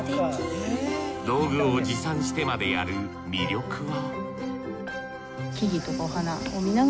道具を持参してまでやる魅力は？